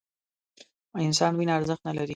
د انسان وینه ارزښت نه لري